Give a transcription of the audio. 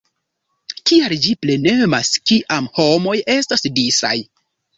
Kial ĝi plenemas kiam homoj estas disaj?